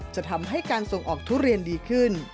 จะทำให้การส่งออกทุเรียนดีขึ้น